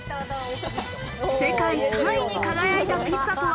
世界３位に輝いたピッツァとは？